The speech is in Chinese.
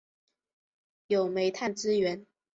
有煤炭资源。